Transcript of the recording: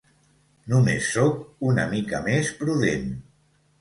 Només sóc una mica més prudent.